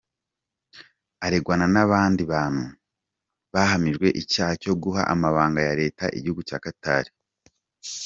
Aregwana n'abandi bantu bahamijwe icyaha cyo guha amabanga ya leta igihugu cya Qatar.